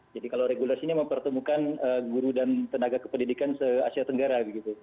jadi kalau regular sini mempertemukan guru dan tenaga kepedidikan se asia tenggara